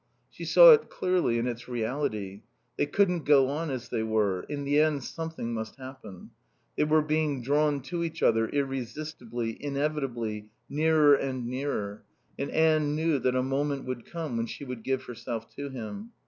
She saw it clearly in its reality. They couldn't go on as they were. In the end something must happen. They were being drawn to each other, irresistibly, inevitably, nearer and nearer, and Anne knew that a moment would come when she would give herself to him.